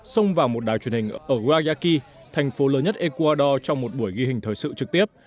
xông vào một đài truyền hình ở grayaki thành phố lớn nhất ecuador trong một buổi ghi hình thời sự trực tiếp